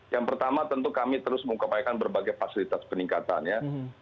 yang pertama tentu kami terus mengupayakan berbagai fasilitas peningkatannya